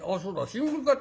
新聞買って」。